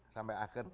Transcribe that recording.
sampai empat triliun